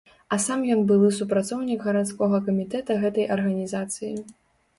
А сам ён былы супрацоўнік гарадскога камітэта гэтай арганізацыі.